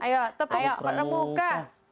ayo tepuk pramuka